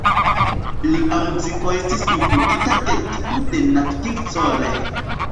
Lia muziko estis influita de tiu de Nat King Cole.